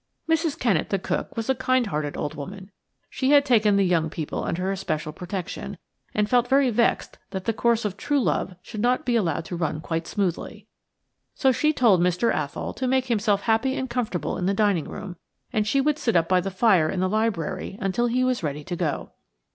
Mrs. Kennett, the cook, was a kind hearted old woman. She had taken the young people under her special protection, and felt very vexed that the course of true love should not be allowed to run quite smoothly. So she told Mr. Athol to make himself happy and comfortable in the dining room, and she would sit up by the fire in the library until he was ready to go.